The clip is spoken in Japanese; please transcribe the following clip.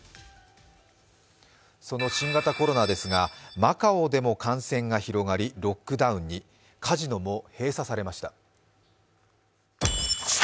その新型コロナですが、マカオでも感染が広がりロックダウンに、カジノも閉鎖されました。